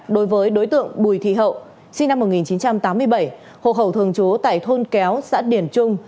đối với đối tượng bùi thị hậu sinh năm một nghìn chín trăm tám mươi bảy hộ khẩu thường trú tại thôn kéo xã điển trung